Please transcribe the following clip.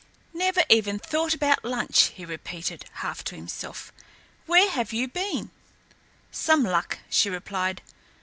"Never even thought about lunch," he repeated, half to himself. "Where have you been?" "Some luck," she replied.